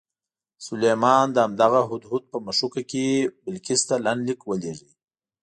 سلیمان د همدغه هدهد په مښوکه کې بلقیس ته لنډ لیک ولېږه.